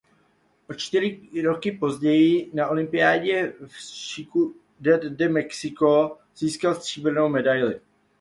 O čtyři roky později na olympiádě v Ciudad de México získal stříbrnou medaili.